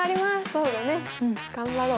そうだね頑張ろう！